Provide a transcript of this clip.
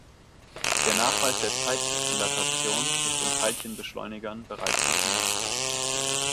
Der Nachweis der Zeitdilatation ist in Teilchenbeschleunigern bereits Routine.